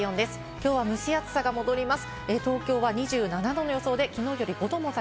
きょうは蒸し暑さが戻ります。